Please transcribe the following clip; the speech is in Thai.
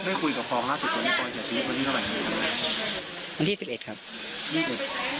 ได้คุยกับพรของน่าสุดวันนี้พรแช่ชีวิตคนที่เท่าไหร่กันแหละ